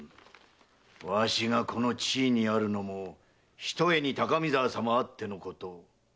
わしがこの地位にあるのもひとえに高見沢様あってのこと。